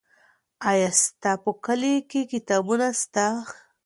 آیا ستا په کلي کې کتابتون سته؟